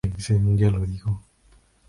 El "Caracolí" es el árbol símbolo del distrito.